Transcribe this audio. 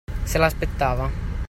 Se l'aspettava.